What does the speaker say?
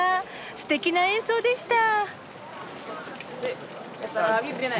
すてきな演奏でした。